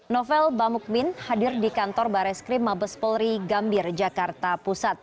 novel bamukmin hadir di kantor bareskrim mabes polri gambir jakarta pusat